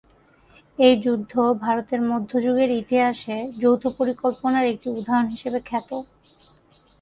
এই যুদ্ধ ভারতের মধ্য যুগের ইতিহাসে যৌথ পরিকল্পনার একটি উদাহরণ হিসেবে খ্যাত।